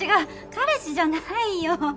彼氏じゃないよ。